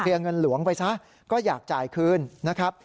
เงินหลวงไปซะก็อยากจ่ายคืนนะครับ